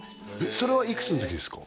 それはいくつの時ですか？